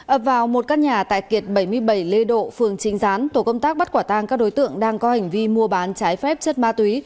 ở vào một căn nhà tại kiệt bảy mươi bảy lê độ phường trinh gián tổ công tác bắt quả tang các đối tượng đang có hành vi mua bán trái phép chất ma túy